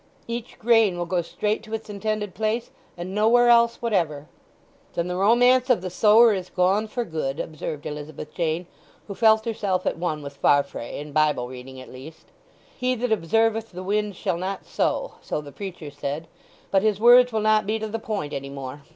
Each grain will go straight to its intended place, and nowhere else whatever!" "Then the romance of the sower is gone for good," observed Elizabeth Jane, who felt herself at one with Farfrae in Bible reading at least. "'He that observeth the wind shall not sow,' so the Preacher said; but his words will not be to the point any more.